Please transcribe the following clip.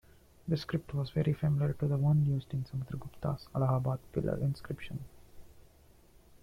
The script was very similar to the one used in Samudragupta's Allahabad Pillar inscription.